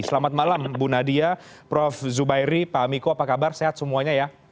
selamat malam bu nadia prof zubairi pak miko apa kabar sehat semuanya ya